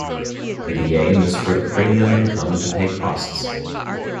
The aim is for the premium income to pay costs.